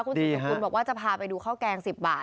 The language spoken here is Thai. คุณสืบสกุลบอกว่าจะพาไปดูข้าวแกง๑๐บาท